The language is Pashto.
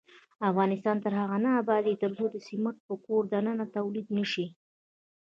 افغانستان تر هغو نه ابادیږي، ترڅو سمنټ په کور دننه تولید نشي.